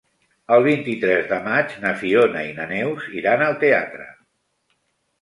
El vint-i-tres de maig na Fiona i na Neus iran al teatre.